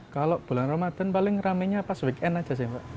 kalau bulan ramadan paling ramenya pas weekend aja sih pak